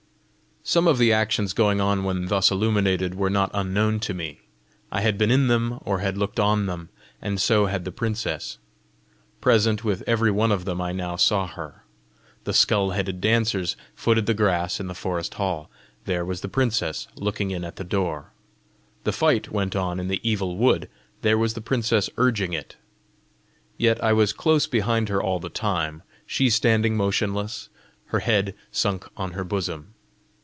Some of the actions going on when thus illuminated, were not unknown to me; I had been in them, or had looked on them, and so had the princess: present with every one of them I now saw her. The skull headed dancers footed the grass in the forest hall: there was the princess looking in at the door! The fight went on in the Evil Wood: there was the princess urging it! Yet I was close behind her all the time, she standing motionless, her head sunk on her bosom.